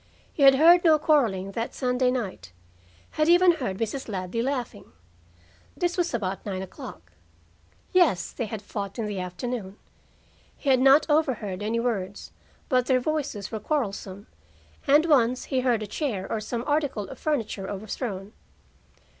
He had heard no quarreling that Sunday night; had even heard Mrs. Ladley laughing. This was about nine o'clock. Yes, they had fought in the afternoon. He had not overheard any words, but their voices were quarrelsome, and once he heard a chair or some article of furniture overthrown.